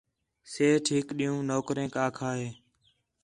سیٹھ ہِک ݙِین٘ہوں نوکریک آکھا ہِے